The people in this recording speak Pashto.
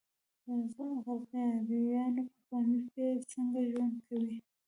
قرغیزان په پامیر کې څنګه ژوند کوي؟